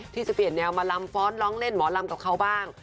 ที่จะเปลี่ยนแนวมาลำฟ้อนร้องเล่นหมอลำกับเขาบ้าง